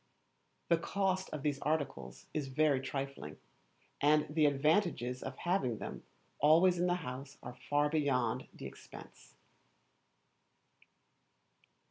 The Cost of these articles is very trifling, and the advantages of having them always in the house are far beyond the expense.